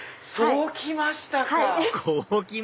こう来ましたか！